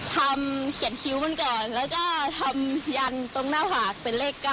เขียนคิ้วมันก่อนแล้วก็ทำยันตรงหน้าผากเป็นเลข๙